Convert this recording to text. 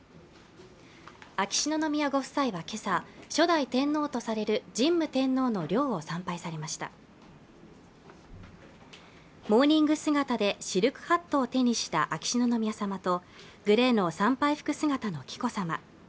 秋篠宮ご夫妻は今朝初代天皇とされる神武天皇の陵を参拝されましたモーニング姿でシルクハットを手にした秋篠宮さまとグレーの参拝服姿の紀子さま